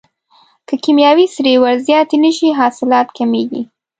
که کیمیاوي سرې ور زیاتې نشي حاصلات کمیږي.